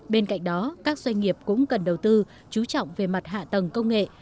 bên cạnh đó các doanh nghiệp cũng cần đầu tư chú trọng về mặt hạ tầng công nghệ